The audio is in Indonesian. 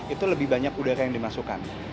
itu lebih banyak udara yang dimasukkan